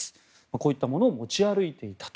こういったものを持ち歩いていたと。